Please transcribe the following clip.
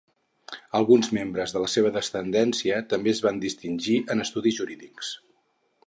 Alguns membres de la seva descendència també es va distingir en estudis jurídics.